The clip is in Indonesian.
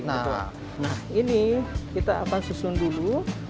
nah ini kita akan susun dulu